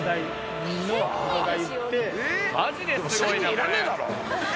マジですごいなこれ。